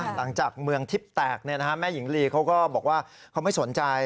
หลังจากเมืองทิบแตกเนี่ยนะฮะแม่หญิงลีเขาก็บอกว่าเขาไม่สนใจ